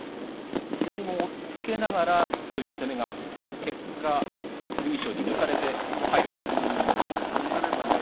左も押っつけながらという攻めに結果、剣翔に抜かれて入る形になりましたね。